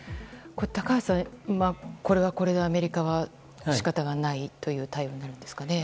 高橋さんこれはこれでアメリカは仕方がないという対応ですかね。